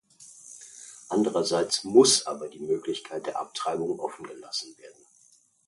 Andererseits muss aber die Möglichkeit der Abtreibung offen gelassen werden.